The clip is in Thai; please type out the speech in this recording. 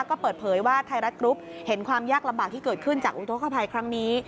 ก็เปิดเผยว่าไทยรัฐกรุ๊ปเห็นความยากลำบากที่เกิดขึ้นจากอุทธกภัยครั้งนี้